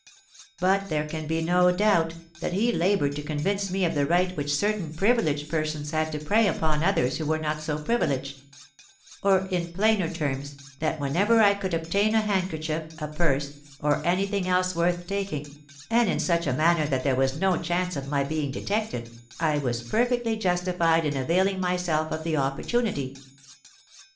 But there can be no doubt that he laboured to convince me of the right which certain privileged persons had to prey upon others who were not so privileged;—or, in plainer terms, that whenever I could obtain a handkerchief, a purse, or any thing else worth taking, and in such a manner that there was no chance of my being detected, I was perfectly justified in availing myself of the opportunity.